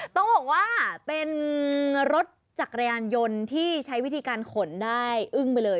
ต้องบอกว่าเป็นรถจักรยานยนต์ที่ใช้วิธีการขนได้อึ้งไปเลย